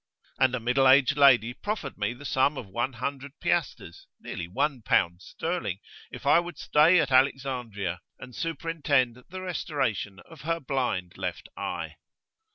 And a middle aged lady proffered me the sum of one hundred piastres, nearly one pound sterling, if I would stay at Alexandria, and superintend the restoration of her blind left eye.